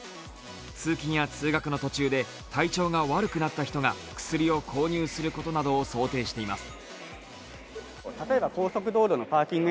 通勤や通学の途中で体調が悪くなった人が薬を購入することなどを想定しています。